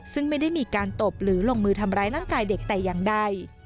ซึ่งไม่ได้มีการตบหรือลงมือทำร้ายร่างกายเด็กแต่อย่างใด